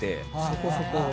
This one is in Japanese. そこそこ。